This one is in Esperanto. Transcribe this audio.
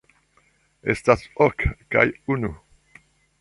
Estas ok, kaj unu.